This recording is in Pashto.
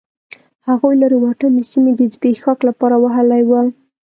هغوی لرې واټن د سیمې د زبېښاک لپاره وهلی و.